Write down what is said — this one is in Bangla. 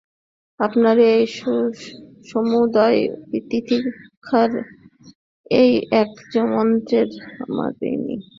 আমাদের এই সমুদয় তিতিক্ষার জন্য ঐ এক মন্ত্রের নিকটেই আমরা ঋণী।